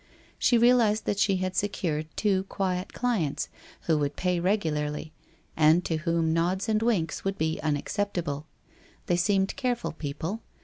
She realized that she had secured two quiet clients who would pay regularly and to whom nods and winks would be unacceptable. They seemed careful people.